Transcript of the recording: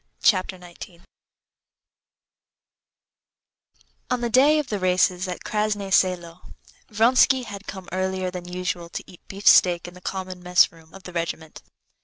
Chapter 19 On the day of the races at Krasnoe Selo, Vronsky had come earlier than usual to eat beefsteak in the common messroom of the regiment.